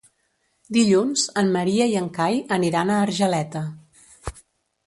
Dilluns en Maria i en Cai aniran a Argeleta.